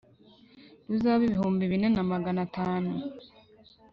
ruzabe ibihumbi bine na magana atanu